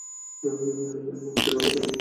ভাই, মানছি কথাটা ভুল।